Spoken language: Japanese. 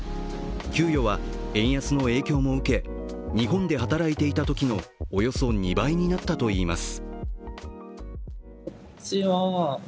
給与は、円安の影響も受け日本で働いていたときのおよそ２倍になったといいます。